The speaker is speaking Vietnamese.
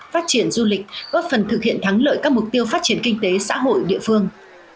phát triển du lịch góp phần thực hiện thắng lợi các mục tiêu phát triển kinh tế xã hội địa phương